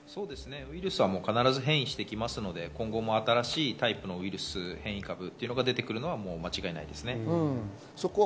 ウイルスは必ず変異してきますので、今後も新しいタイプの変異株が出てくるのは間違いないですね。